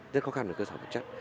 rất khó khăn về cơ sở vật chất